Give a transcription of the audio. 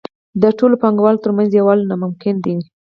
د ټولو پانګوالو ترمنځ یووالی ناممکن وو